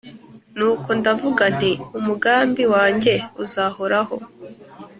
nuko ndavuga nti «umugambi wanjye uzahoraho,